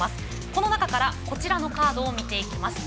その中から、こちらのカードを見ていきます。